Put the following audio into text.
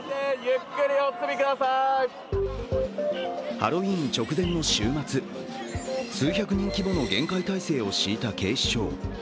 ハロウィーン直前の週末、数百人規模の厳戒態勢を敷いた警視庁。